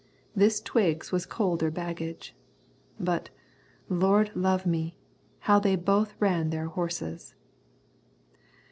This Twiggs was colder baggage. But, Lord love me! how they both ran their horses!